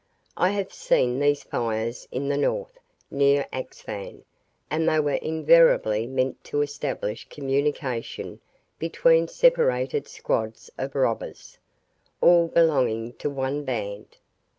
I have seen these fires in the north, near Axphain, and they were invariably meant to establish communication between separated squads of robbers, all belonging to one band.